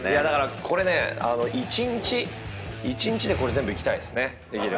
だからこれね１日１日でこれ全部いきたいですね。